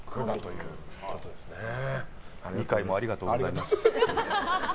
２回もありがとうございます。